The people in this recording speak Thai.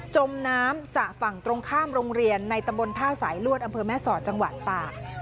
จมน้ำสระฝั่งตรงข้ามโรงเรียนในตำบลท่าสายลวดอำเภอแม่สอดจังหวัดตาก